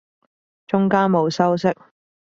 中間冇修飾